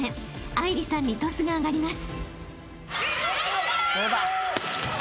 ［愛梨さんにトスが上がります］